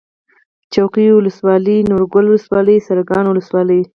څوکۍ ولسوالي نورګل ولسوالي سرکاڼو ولسوالي